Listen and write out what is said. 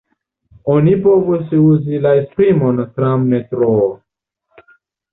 Oni povus uzi la esprimon tram-metroo.